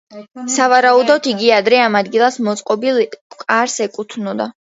სავარაუდოდ, იგი ადრე ამ ადგილას მოწყობილ კარს ეკუთვნოდა.